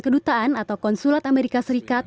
kedutaan atau konsulat amerika serikat